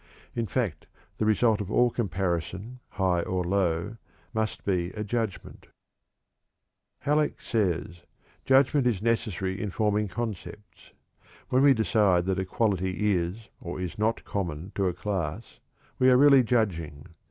In fact, the result of all comparison, high or low, must be a judgment. Halleck says: "Judgment is necessary in forming concepts. When we decide that a quality is or is not common to a class, we are really judging.